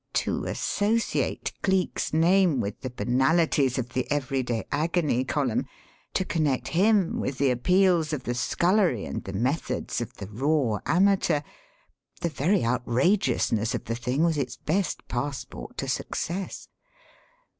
To associate Cleek's name with the banalities of the everyday Agony Column; to connect him with the appeals of the scullery and the methods of the raw amateur! The very outrageousness of the thing was its best passport to success.